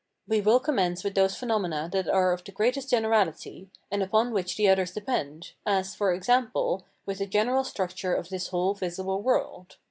We will commence with those phenomena that are of the greatest generality, and upon which the others depend, as, for example, with the general structure of this whole visible world.